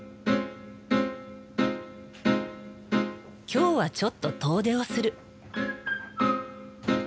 今日はちょっと遠出をする。